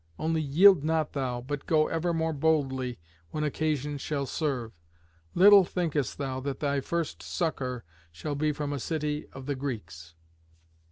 Only yield not thou, but go ever more boldly when occasion shall serve. Little thinkest thou that thy first succour shall be from a city of the Greeks."